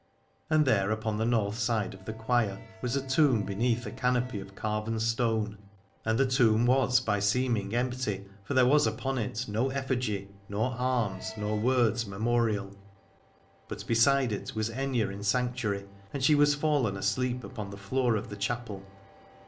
And there upon the north side of the choir was a tomb beneath a canopy of carven stone, and the tomb was by seeming empty, for there was upon it no effigy, nor arms nor 352 Alad ore words memorial ; but beside it was Aithne in sanctuary, and she was fallen asleep upon the floor of the chapel.